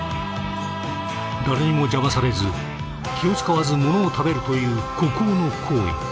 誰にも邪魔されず気を遣わずものを食べるという孤高の行為。